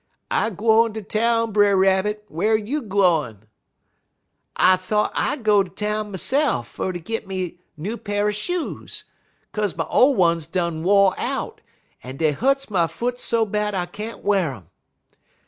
"'I gwine ter town, Brer Rabbit; whar you gwine?' "'I thought I go ter town myse'f fer ter git me new pa'r shoes, 'kaze my ole uns done wo' out en dey hu'ts my foots so bad I can't w'ar um.